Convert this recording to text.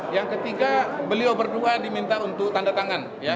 yang ketiga beliau berdua diminta untuk tanda tangan